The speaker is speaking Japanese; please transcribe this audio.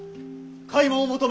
開門を求め